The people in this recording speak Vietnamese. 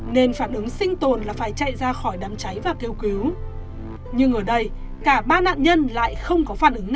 nên phản ứng sinh tồn là phải chạy ra khỏi đám cháy và kêu cứu nhưng ở đây cả ba nạn nhân lại không có phản ứng nào